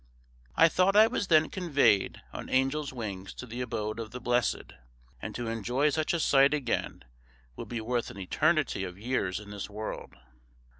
I thought I was then conveyed on angels' wings to the abode of the blessed, and to enjoy such a sight again would be worth an eternity of years in this world.